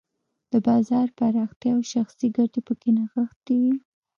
د بازار پراختیا او شخصي ګټې پکې نغښتې وې.